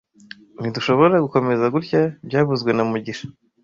Ntidushobora gukomeza gutya byavuzwe na mugisha